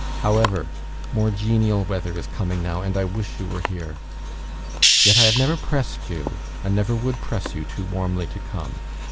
However, more genial weather is coming now, and I wish you were here. Yet I never have pressed you, and never would press you too warmly to come.